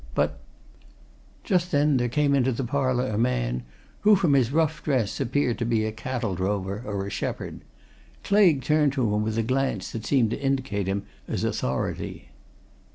But " Just then there came into the parlour a man, who from his rough dress, appeared to be a cattle drover or a shepherd. Claigue turned to him with a glance that seemed to indicate him as authority.